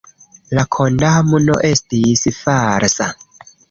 La kondamno estis falsa.